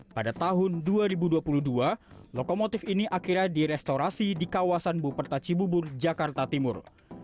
pada tahun dua ribu dua puluh dua lokomotif ini akhirnya direstorasi di kawasan buperta cibubur jakarta timur